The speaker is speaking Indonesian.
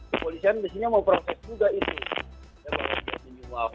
kepolisian di sini mau proses juga itu